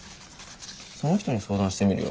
その人に相談してみるよ。